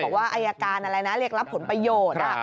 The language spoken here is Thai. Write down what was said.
ว่าอายการอะไรนะเรียกรับผลประโยชน์